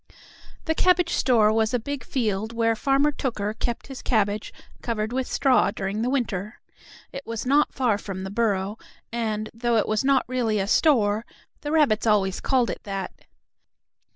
The cabbage store was a big field where Farmer Tooker kept his cabbage covered with straw during the winter. It was not far from the burrow, and, though it was not really a store, the rabbits always called it that.